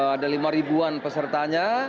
ada lima ribuan pesertanya